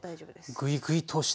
あっぐいぐいと押して。